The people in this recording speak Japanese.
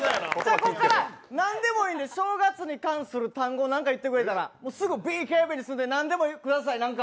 こっから何でもいいんで、正月に関する単語言ってくれたらすぐＢＫＢにするので、何でも言ってください。